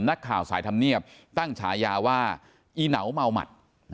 นักข่าวสายธรรมเนียบตั้งฉายาว่าอีเหนาเมาหมัด